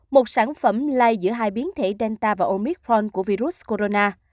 một sản phẩm lai giữa hai biến thể delta và omicron của virus corona